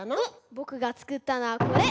ぼくがつくったのはこれ！